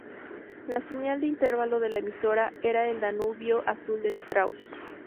La señal de intervalo de la emisora era El Danubio Azul de Strauss.